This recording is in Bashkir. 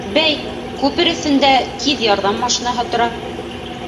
Бәй, күпер өҫтөндә «Тиҙ ярҙам» машинаһы тора.